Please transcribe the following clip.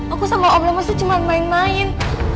aku sama om lemos tuh cuma main main